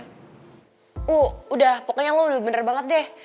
tuh udah pokoknya lo udah bener banget deh